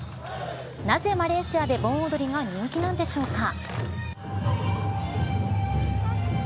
なぜマレーシアで盆踊りが人気なんでしょうか。